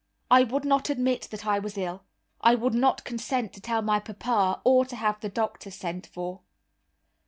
I would not admit that I was ill, I would not consent to tell my papa, or to have the doctor sent for.